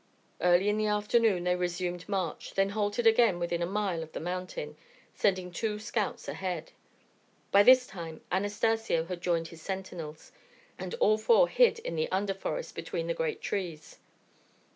Early in the afternoon they resumed march, then halted again within a mile of the mountain, sending two scouts ahead. By this time Anastacio had joined his sentinels, and all four hid in the underforest between the great trees.